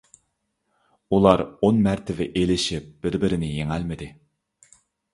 ئۇلار ئون مەرتىۋە ئېلىشىپ بىر - بىرىنى يېڭەلمىدى.